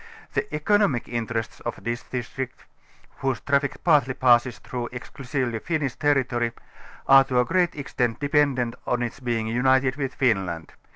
The economical interests of this district, whose traffic partly passes through exclusively Finnish territory, are to a great extent dependent on its being united with Finland.